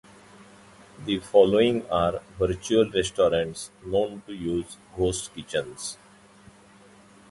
The following are virtual restaurants known to use ghost kitchens.